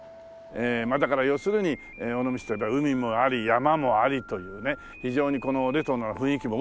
だから要するに尾道といえば海もあり山もありというね非常にレトロな雰囲気も多い所